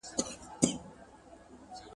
هغه وويل چي ونه مهمه ده؟